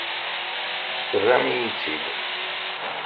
Terram-iyi-tt-id.